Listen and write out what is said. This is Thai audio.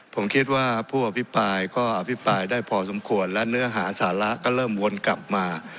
ผมคิดว่าผู้อภิปรายก็อภิปรายได้พอสมควรและเนื้อหาสาระก็เริ่มวนกลับมา